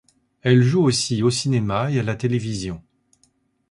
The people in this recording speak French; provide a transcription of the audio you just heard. Elle joue aussi au cinéma et à la télévision.